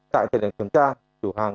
tại thời điểm kiểm tra chủ hàng